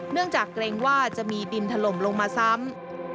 จากเกรงว่าจะมีดินถล่มลงมาซ้ำ